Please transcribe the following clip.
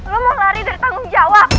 lu mau lari dari tanggung jawab